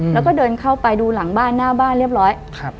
แล้วก็เดินเข้าไปดูหลังบ้านหน้าบ้านเรียบร้อย